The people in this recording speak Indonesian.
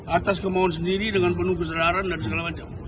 atas kemauan sendiri dengan penuh kesadaran dan segala macam